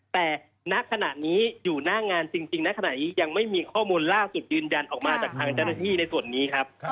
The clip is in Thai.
แต่ณขณะนี้อยู่หน้างานจริงณขณะนี้ยังไม่มีข้อมูลล่าสุดยืนยันออกมาจากทางเจ้าหน้าที่ในส่วนนี้ครับ